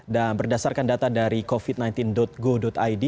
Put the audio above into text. dan berdasarkan data dari covid sembilan belas go id